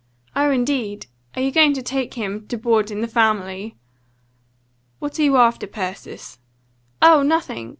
"Oh, indeed! Are you going to take him to board in the family?" "What are you after, Persis?" "Oh, nothing!